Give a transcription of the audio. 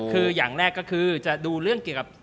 คืออย่างแรกก็คือจะดูเรื่องเกี่ยวกับ